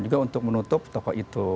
juga untuk menutup toko itu